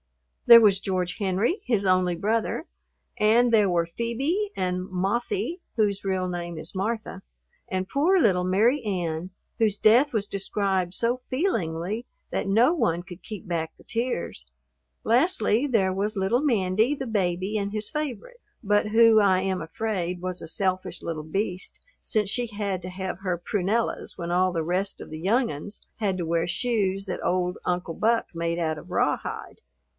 There was George Henry, his only brother; and there were Phoebe and "Mothie," whose real name is Martha; and poor little Mary Ann, whose death was described so feelingly that no one could keep back the tears. Lastly there was little Mandy, the baby and his favorite, but who, I am afraid, was a selfish little beast since she had to have her prunellas when all the rest of the "young uns" had to wear shoes that old Uncle Buck made out of rawhide.